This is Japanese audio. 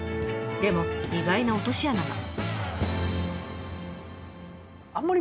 でも意外な落とし穴が。